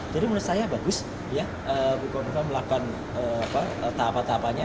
jadi menurut saya bagus ibu khofifah melakukan tahap tahapannya